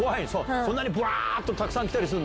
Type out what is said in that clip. そんなにぶわーっと、たくさん来たりすんの？